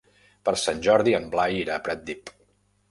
Per Sant Jordi en Blai irà a Pratdip.